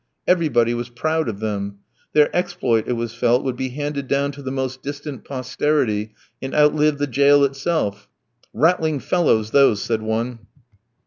Everybody was proud of them. Their exploit, it was felt, would be handed down to the most distant posterity, and outlive the jail itself. "Rattling fellows, those!" said one.